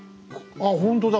ああほんとだ